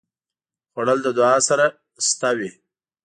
خوړل د دعا سره شته وي